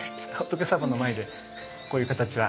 仏様の前でこういう形は。